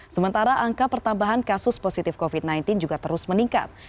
sementara angka pertambahan kasus positif covid sembilan belas juga terus meningkat